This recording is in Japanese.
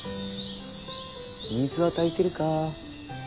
水は足りてるか？